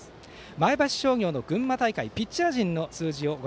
前橋商業の群馬大会ピッチャー陣の数字です。